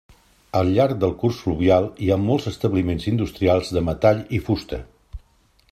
Al llarg del curs fluvial hi ha molts establiments industrials de metall i fusta.